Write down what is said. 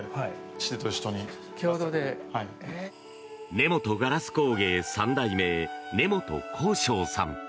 根本硝子工芸３代目根本幸昇さん。